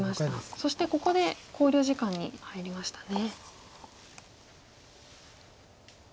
そしてここで考慮時間に入りましたね。